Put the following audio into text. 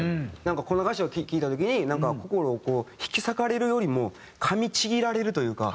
この歌詞を聴いた時になんか心をこう引き裂かれるよりもかみちぎられるというか。